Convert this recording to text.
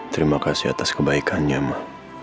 terima kasih atas kebaikannya mah